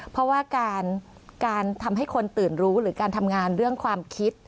เพราะว่าการทำให้คนตื่นรู้หรือการทำงานเรื่องความคิด